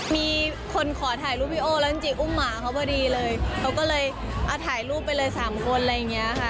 มีคนขอถ่ายรูปพี่โอ้แล้วจริงอุ้มหมาเขาพอดีเลยเขาก็เลยถ่ายรูปไปเลยสามคนอะไรอย่างเงี้ยค่ะ